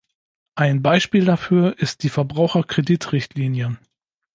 Ein Beispiel dafür ist die Verbraucherkredit-Richtlinie.